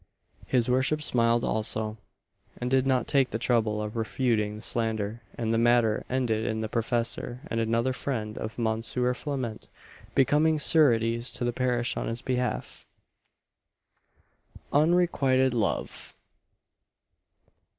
His worship smiled also, and did not take the trouble of refuting the slander; and the matter ended in the professor and another friend of Mons. Flament becoming sureties to the parish on his behalf. UNREQUITED LOVE.